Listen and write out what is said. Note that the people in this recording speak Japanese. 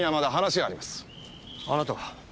あなたは？